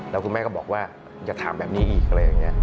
แล้วคุณแม่ก็บอกว่าอย่าทำแบบนี้อีกอะไรอย่างนี้